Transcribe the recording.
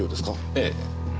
ええ。